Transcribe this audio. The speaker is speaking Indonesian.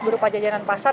berupa jajanan pasar